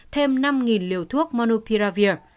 thêm năm liều thuốc monopiravir